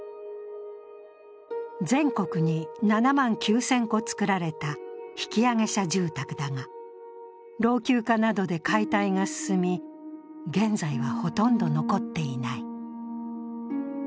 全国に７万９０００戸造られた引揚者住宅だが老朽化などで解体が進み、現在はほとんど残っていない。